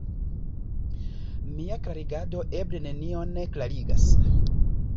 Mia klarigado eble nenion klarigas.